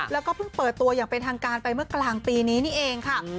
แล้วก็เพิ่งเปิดตัวอย่างเป็นทางการไปเมื่อกลางปีนี้นี่เองค่ะ